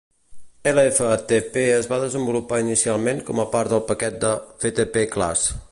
Lftp es va desenvolupar inicialment com a part del paquet de ftpclass.